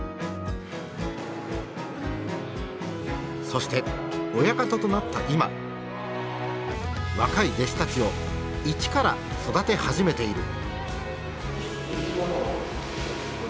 そして親方となった今若い弟子たちを一から育て始めている。